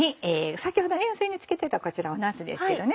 先ほど塩水につけてたなすですけどね。